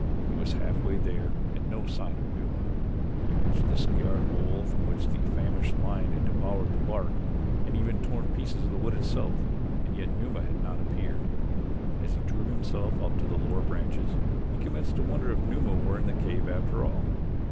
He was half way there and no sign of Numa. He reached the scarred bole from which the famished lion had devoured the bark and even torn pieces of the wood itself and yet Numa had not appeared. As he drew himself up to the lower branches he commenced to wonder if Numa were in the cave after all.